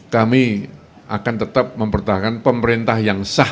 kami akan tetap mempertahankan pemerintah yang sah